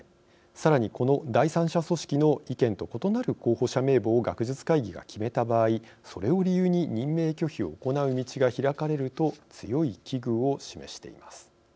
さらに、この第三者組織の意見と異なる候補者名簿を学術会議が決めた場合それを理由に任命拒否を行う道が開かれると強い危惧を示しています。